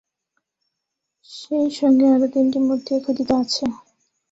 সেই সঙ্গে আরও তিনটি মূর্তিও খোদিত আছে।